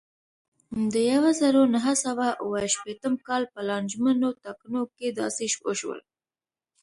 د یوه زرو نهه سوه اوه شپېتم کال په لانجمنو ټاکنو کې داسې وشول.